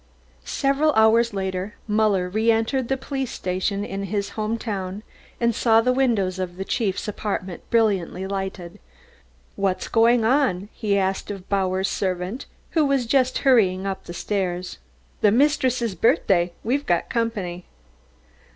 Several hours later, Muller re entered the police station in his home town and saw the windows of the chief's apartment brilliantly lighted. "What's going on," he asked of Bauer's servant who was just hurrying up the stairs. "The mistress' birthday, we've got company."